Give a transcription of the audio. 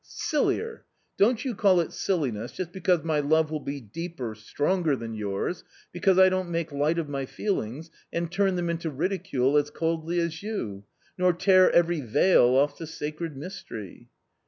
" Sillier ! Don't you call it silliness just because my love will be deeper, stronger than yours, because I don't make light of my feelings, and turn them into ridicule as coldly as you, nor tear every veil off the sacred mystery."